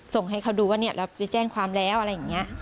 ส่งให้เขาดูว่าเนี่ยเราไปแจ้งความแล้วอะไรอย่างนี้